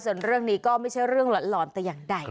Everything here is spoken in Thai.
ส่วนเรื่องนี้ก็ไม่ใช่เรื่องหลอนแต่อย่างใด